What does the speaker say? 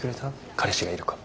彼氏がいるか。